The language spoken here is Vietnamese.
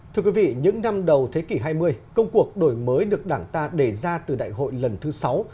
thưa quý vị những năm đầu thế kỷ hai mươi công cuộc đổi mới được đảng ta đề ra từ đại hội lần thứ sáu